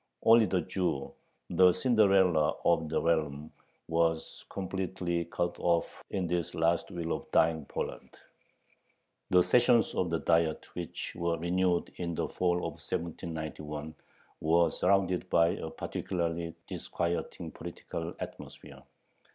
Only the Jew, the cinderella of the realm, was completely cut off in this last will of dying Poland. The sessions of the Diet, which were renewed in the fall of 1791, were surrounded by a particularly disquieting political atmosphere.